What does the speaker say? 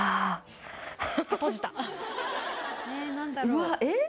うわっえっ？